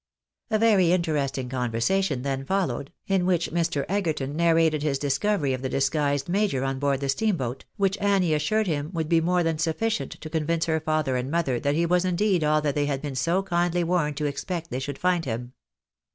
A very interesting conversation then followed, in which Mr. Egerton narrated his discovery of the disguised major on board the steamboat, which Annie assured him would be more than sufficient to convince her father and mother that he was indeed all that they had been so kindly warned to expect they should find him.